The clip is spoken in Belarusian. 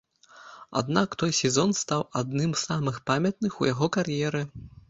Аднак той сезон стаў адным з самых памятных у яго кар'еры.